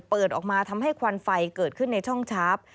ออกมาทำให้ควันไฟเกิดขึ้นในช่องชาร์ฟ